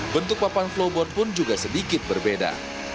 bentuk papan flowboard pun juga sedikit berbeda